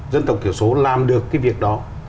dân tộc kiểu số làm được cái việc đó